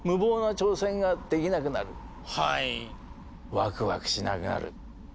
ワクワクしなくなる。